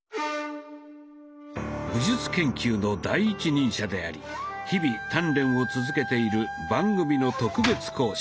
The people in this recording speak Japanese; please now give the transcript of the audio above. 武術研究の第一人者であり日々鍛錬を続けている番組の特別講師